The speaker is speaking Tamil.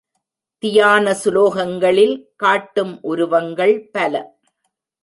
தியான சுலோகங்களில் காட்டும் உருவங்கள் பல.